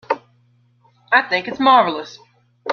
I think it's marvelous.